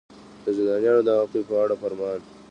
د زندانیانو د عفوې په اړه فرمان.